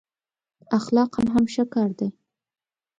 اخلاقأ هم ښه کار دی.